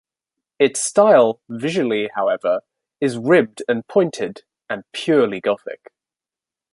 Its style, visually however, is ribbed and pointed and purely Gothic.